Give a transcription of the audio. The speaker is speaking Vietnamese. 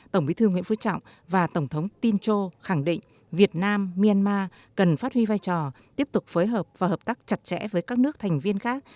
tổng bí thư nguyễn phú trọng và tổng thống tincho khẳng định việt nam myanmar cần phát huy vai trò tiếp tục phối hợp và hợp tác chặt chẽ với các nước thành viên khác